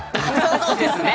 そうですね。